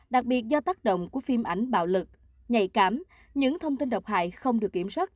đặc biệt do tác động của phim ảnh bạo lực nhạy cảm những thông tin độc hại không được kiểm soát